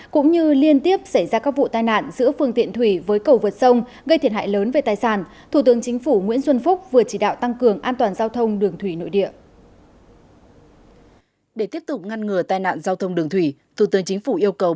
cũng như liên tiếp xảy ra các vụ tai nạn giữa phương tiện thủy với cầu vượt sông gây thiệt hại lớn về tài sản thủ tướng chính phủ nguyễn xuân phúc vừa chỉ đạo tăng cường an toàn giao thông đường thủy nội địa